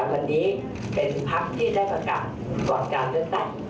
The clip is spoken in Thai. วันนี้เป็นพักที่ได้ประกาศก่อนการเลือกตั้ง